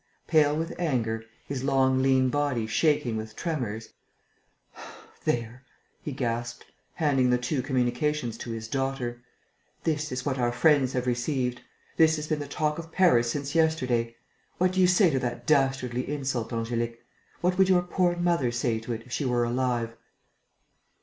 Pale with anger, his long, lean body shaking with tremors: "There!" he gasped, handing the two communications to his daughter. "This is what our friends have received! This has been the talk of Paris since yesterday! What do you say to that dastardly insult, Angélique? What would your poor mother say to it, if she were alive?"